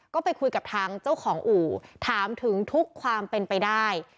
ก็ไปคุยกับทางเจ้าของอู่ถามถึงทุกความเป็นไปได้